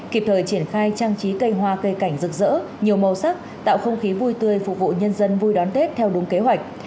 kịp thời triển khai trang trí cây hoa cây cảnh rực rỡ nhiều màu sắc tạo không khí vui tươi phục vụ nhân dân vui đón tết theo đúng kế hoạch